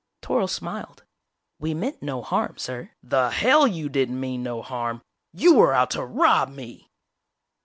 Toryl smiled. "We meant no harm, sir " "The hell you didn't mean no harm! You were out to rob me!"